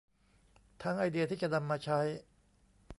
ทั้งไอเดียที่จะนำมาใช้